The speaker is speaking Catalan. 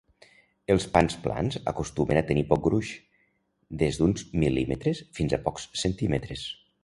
Els pans plans acostumen a tenir poc gruix, des d'uns mil·límetres fins a pocs centímetres.